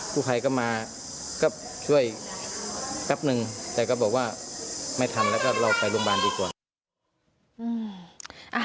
ผู้ภัยก็มาก็ช่วยแป๊บนึงแต่ก็บอกว่าไม่ทันแล้วก็เราไปโรงพยาบาลดีกว่า